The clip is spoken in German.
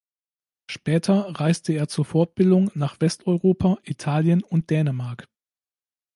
Später reiste er zur Fortbildung nach Westeuropa, Italien und Dänemark.